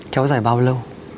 kéo dài bao lâu